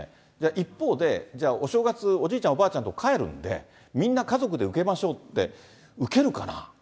一方で、じゃあお正月、おじいちゃん、おばあちゃんのとこに帰るんで、みんな家族で受けましょうって、受けるかな。